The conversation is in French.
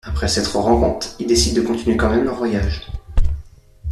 Après cette rencontre, ils décident de continuer quand même leur voyage.